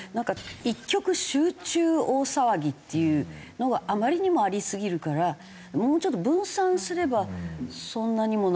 一極集中大騒ぎっていうのがあまりにもありすぎるからもうちょっと分散すればそんなにもならないのかな？